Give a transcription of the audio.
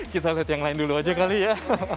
kita lihat yang lain dulu aja kali ya